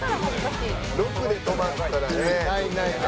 ６で止まったらね。